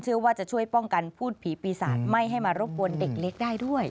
เชื่อว่าจะช่วยป้องกันพูดผีปีศาจไม่ให้มารบกวนเด็กเล็กได้ด้วย